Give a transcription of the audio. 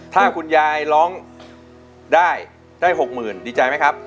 ถ้าคุณยายร้องได้ได้๖๐๐๐ดีใจไหมครับ